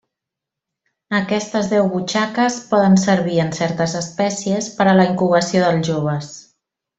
Aquestes deu butxaques poden servir, en certes espècies, per a la incubació dels joves.